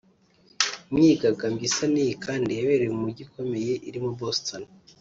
Imyigaragambyo isa n’iyi kandi yabere mu mijyi ikomeye irimo Boston